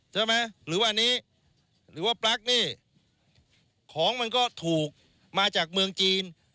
ใช่ไหมหรือว่าอันนี้หรือว่าปลั๊กนี่ของมันก็ถูกมาจากเมืองจีน